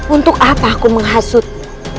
untuk apa aku menghasutmu